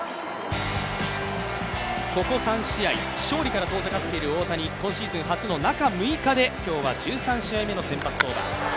ここ３試合、勝利から遠ざかっている大谷、今シーズン初の中６日で今日は１３試合目の先発登板。